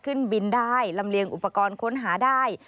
ขึ้นบินได้ลำเลียงอุปกรณ์ค้นหาได้